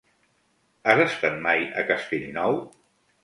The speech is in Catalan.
Has estat mai a Castellnou?